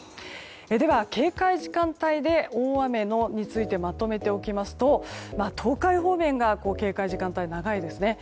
では、警戒時間帯で大雨についてまとめておきますと東海方面が警戒時間帯、長いですね。